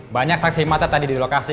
banyak saksi mata tadi di lokasi